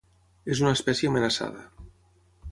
És una espècie amenaçada.